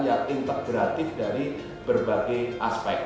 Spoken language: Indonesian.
yang integratif dari berbagai aspek